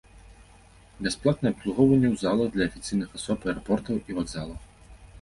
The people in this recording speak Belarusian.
Бясплатнае абслугоўванне ў залах для афіцыйных асоб аэрапортаў і вакзалаў.